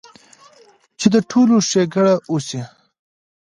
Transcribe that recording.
چې د ټولو ښېګړه اوشي -